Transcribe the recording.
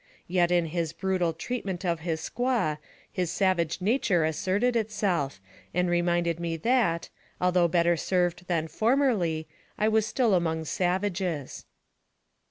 Yet in his brutal treatment of his squaw, his savage nature asserted itself, and reminded me that, although better served than formerly, I was still among savages.